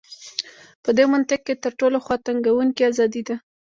په دې منطق کې تر ټولو خواتنګوونکې ازادي ده.